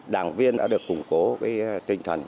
đảng viên đã được củng cố cái tinh thần